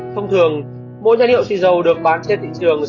thông thường mỗi nhân hiệu xì dầu được bán trên thị trường